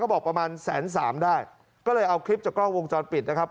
บอกประมาณแสนสามได้ก็เลยเอาคลิปจากกล้องวงจรปิดนะครับ